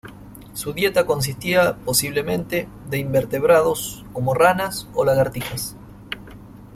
Su dieta consistía posiblemente de invertebrados, como ranas o lagartijas.